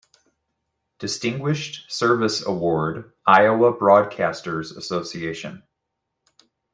Distinguished Service Award, Iowa Broadcasters Association.